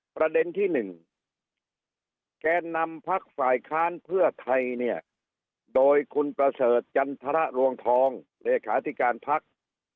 ประเด็นที่๑แกนนำพักฝ่ายค้านเพื่อไทยเนี่ยโดยคุณประเสริฐจันทรลวงทองเลขาธิการพัก